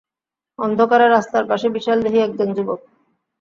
অন্ধকারে রাস্তার পাশে বিশালদেহী একজন যুবক।